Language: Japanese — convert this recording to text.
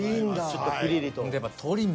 ちょっとピリリと。